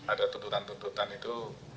ada tuntutan tuntutan itu